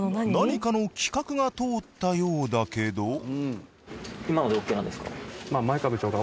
何かの企画が通ったようだけど。